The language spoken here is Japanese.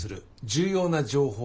重要な情報？